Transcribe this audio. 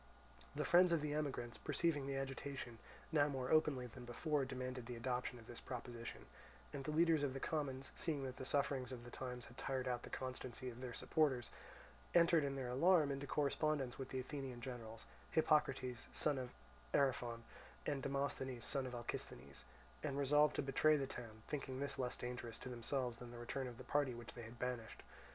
The friends of the emigrants, perceiving the agitation, now more openly than before demanded the adoption of this proposition; and the leaders of the commons, seeing that the sufferings of the times had tired out the constancy of their supporters, entered in their alarm into correspondence with the Athenian generals, Hippocrates, son of Ariphron, and Demosthenes, son of Alcisthenes, and resolved to betray the town, thinking this less dangerous to themselves than the return of the party which they had banished.